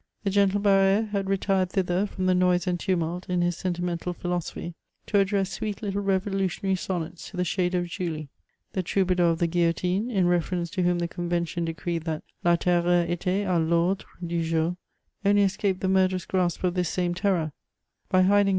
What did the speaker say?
The gentle BarrSre had retired thither from the noise and tumult, in his sentimental philosophy, to address sweet little revolutionary sonnets to the shade of Julie. The troubadour of the guillotine, in reference to whom the convention decreed that la terreur dtait a Vordre du jouvy only escaped the murderous grasp of this same terror by hiding CHATEAUBaiAND.